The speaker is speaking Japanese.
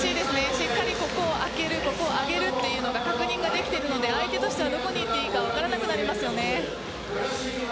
しっかりここを空けるというのが確認できているので相手としてはどこにいっていいか分からなくなりますよね。